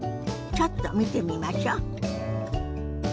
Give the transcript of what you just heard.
ちょっと見てみましょ。